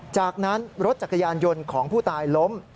จากนั้นรถจักรยานยนต์ของผู้ตายล้ม